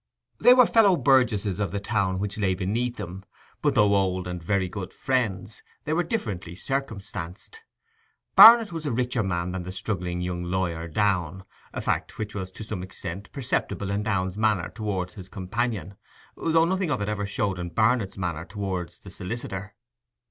They were fellow burgesses of the town which lay beneath them, but though old and very good friends, they were differently circumstanced. Barnet was a richer man than the struggling young lawyer Downe, a fact which was to some extent perceptible in Downe's manner towards his companion, though nothing of it ever showed in Barnet's manner towards the solicitor.